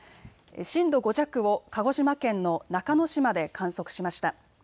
震度５弱を鹿児島県の中之島で観測しました。